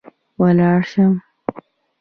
ولاړه شم